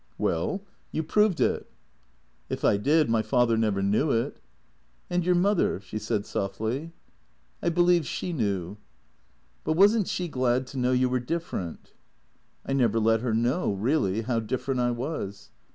" Well — you proved it." " If I did my father never knew it." " And your mother ?" she said softly. " I believe she knew." " But was n't she glad to know you were different ?"" I never let her know, really, how different I was."